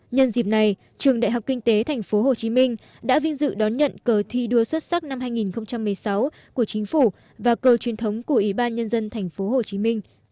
nhân dịp này trường đại học kinh tế tp hcm đã vinh dự đón nhận cờ thi đua xuất sắc năm hai nghìn một mươi sáu của chính phủ và cờ truyền thống của ủy ban nhân dân tp hcm